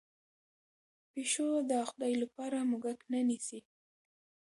پیشو د خدای لپاره موږک نه نیسي.